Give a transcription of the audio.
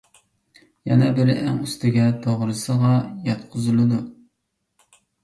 يەنە بىرى ئەڭ ئۈستىگە توغرىسىغا ياتقۇزۇلىدۇ.